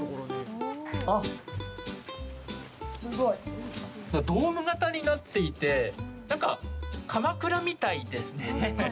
あ、すごい！ドーム型になっていてなんか、かまくらみたいですね。